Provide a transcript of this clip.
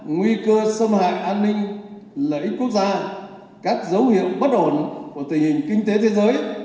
nguy cơ xâm hại an ninh lợi ích quốc gia các dấu hiệu bất ổn của tình hình kinh tế thế giới